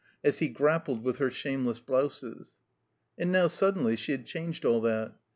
as he grappled with her shameless blouses. And now, suddenly, she had changed all that.